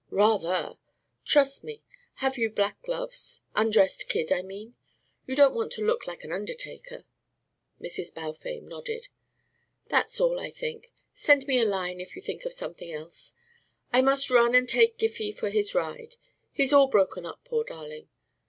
"Rather. Trust me. Have you black gloves undressed kid, I mean? You don't want to look like an undertaker." Mrs. Balfame nodded. "That's all, I think. Send me a line if you think of something else. I must run and take Giffy for his ride. He's all broken up, poor darling.